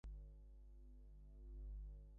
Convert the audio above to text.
এটা আমাদের নিচে রয়েছে।